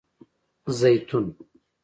🫒 زیتون